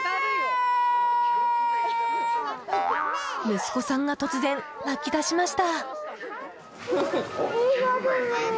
息子さんが突然泣き出しました。